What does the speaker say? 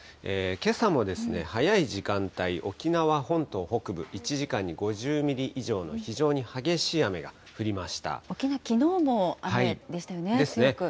けさも早い時間帯、沖縄本島北部、１時間に５０ミリ以上の非常に激しい雨が降りました。ですね。